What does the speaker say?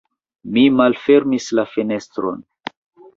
Mi malfermis la fenestron.